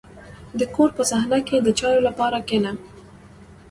• د کور په صحنه کې د چایو لپاره کښېنه.